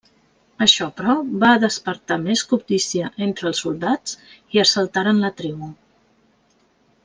Això però, va despertar més cobdícia entre els soldats i assaltaren la tribu.